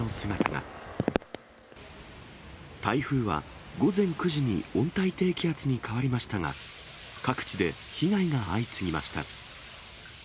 台風は午前９時に温帯低気圧に変わりましたが、各地で被害が相次ぎました。